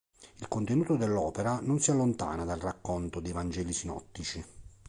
Il contenuto dell'opera non si allontana dal racconto dei vangeli sinottici.